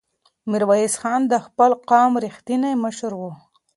میرویس خان د خپل قوم رښتینی مشر و.